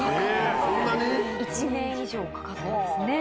そんなに⁉１年以上かかったんですね。